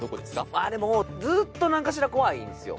まあでもずーっと何かしら怖いんですよ